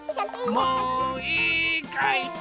もういいかい？